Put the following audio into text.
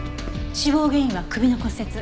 死亡原因は首の骨折。